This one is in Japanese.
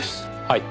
はい。